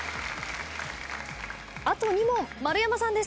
あと２問丸山さんです。